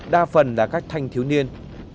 đa phần là các thanh thiếu niên